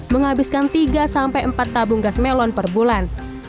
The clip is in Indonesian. menghabiskan tiga sampai empat tabung gas melon per bulan